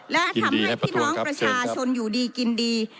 และทำให้พี่น้องประชาชนอยู่ดีกินดี